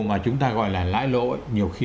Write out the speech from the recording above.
mà chúng ta gọi là lãi lỗ ấy nhiều khi